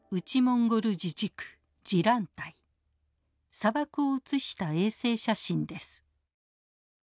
砂漠を写した衛星写真です。